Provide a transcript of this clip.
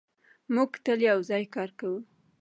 موږ تل یو ځای کار کوو.